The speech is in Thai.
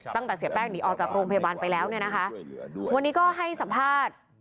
ตั้งแต่เสียแป้งหนีออกจากโรงพยาบาลไปแล้วเนี่ยนะคะวันนี้ก็ให้สัมภาษณ์